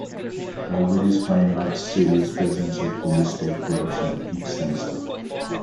Calvary's Fine Arts Series presents a fully staged production each semester.